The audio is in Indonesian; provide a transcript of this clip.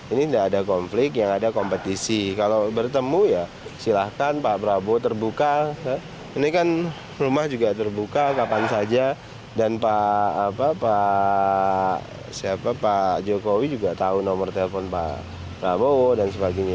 ini tidak ada konflik yang ada kompetisi kalau bertemu ya silahkan pak prabowo terbuka ini kan rumah juga terbuka kapan saja dan pak jokowi juga tahu nomor telepon pak prabowo dan sebagainya